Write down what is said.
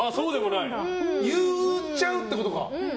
言っちゃうってことか。